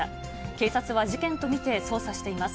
警察は事件と見て捜査しています。